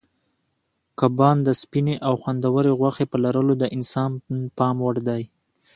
کبان د سپینې او خوندورې غوښې په لرلو د انسان پام وړ دي.